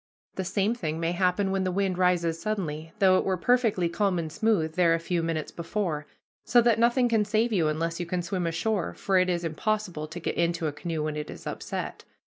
The same thing may happen when the wind rises suddenly, though it were perfectly calm and smooth there a few minutes before; so that nothing can save you, unless you can swim ashore, for it is impossible to get into a canoe when it is upset.